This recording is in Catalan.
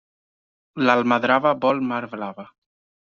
L'almadrava vol mar blava.